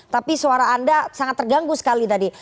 tapi suara anda sangat terganggu sekali tadi